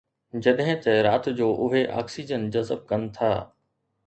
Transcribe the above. جڏهن ته رات جو اهي آڪسيجن جذب ڪن ٿا